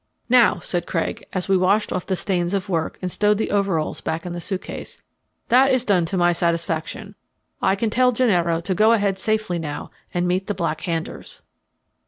"Now," said Craig, as we washed off the stains of work and stowed the overalls back in the suitcase, "that is done to my satisfaction. I can tell Gennaro to go ahead safely now and meet the Black Handers."